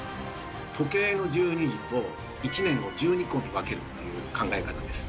時計の１２時と１年を１２個に分けるという考え方です。